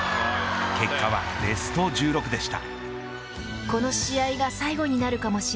結果はベスト１６でした。